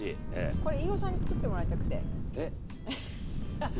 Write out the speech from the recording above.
これ飯尾さんに作ってもらいたくて。